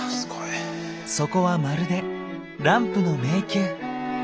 そこはまるでランプの迷宮。